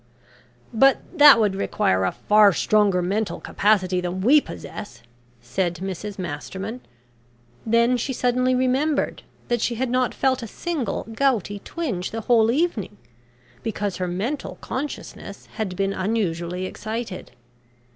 "But that would require a far stronger mental capacity than we possess," said Mrs Masterman. Then she suddenly remembered that she had not felt a single gouty twinge the whole evening, because her mental consciousness had been unusually excited.